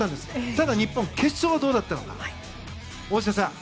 ただ日本、決勝はどうだったか大下さん。